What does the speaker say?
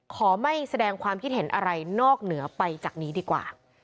ขอไม่แสดงความคิดเห็นอะไรนอกเหนือไปจากนี้ดีกว่า